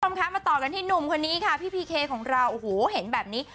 คุณผู้ชมคะมาต่อกันที่หนุ่มคนนี้ค่ะพี่พีเคของเราโอ้โหเห็นแบบนี้